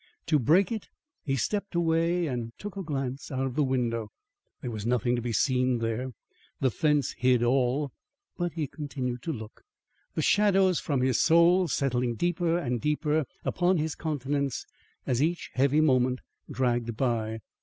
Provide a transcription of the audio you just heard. To break it, he stepped away and took a glance out of the window. There was nothing to be seen there; the fence hid all, but he continued to look, the shadows from his soul settling deeper and deeper upon his countenance as each heavy moment dragged by.